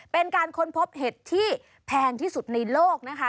เป็นการค้นพบเห็ดที่แพงที่สุดในโลกนะคะ